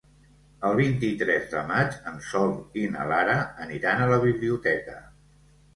El vint-i-tres de maig en Sol i na Lara aniran a la biblioteca.